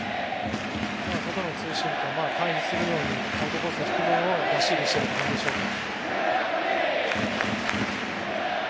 外のツーシームと対比するようにアウトコースの低めに投げる感じでしょうか。